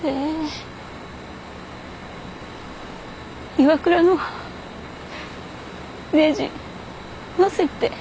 ＩＷＡＫＵＲＡのねじ載せて。